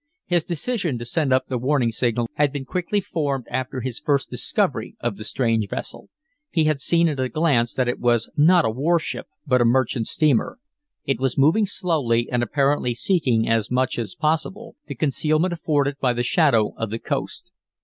His decision to send up the warning signal had been quickly formed after his first discovery of the strange vessel. He had seen at a glance that it was not a warship, but a merchant steamer. It was moving slowly, and apparently seeking, as much as possible, the concealment afforded by the shadow of the coast.